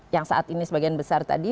yang saat ini sebagian besar tadi